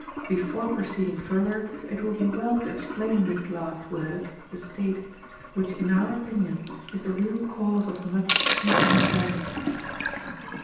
Before proceeding further, it will be well to explain this last word (the State) which, in our opinion, is the real cause of much misunderstanding.